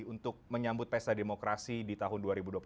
untuk menyambut pesta demokrasi di tahun dua ribu dua puluh empat